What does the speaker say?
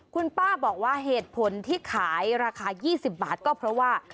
คุณป้าบอกว่าเหตุผลที่ขายราคา๒๐บาทก็เพราะว่า